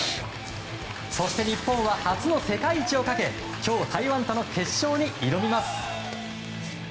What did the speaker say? そして日本は初の世界一をかけ今日、台湾との決勝に挑みます。